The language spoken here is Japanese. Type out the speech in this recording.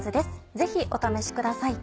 ぜひお試しください。